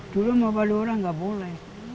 dulu sama padura enggak boleh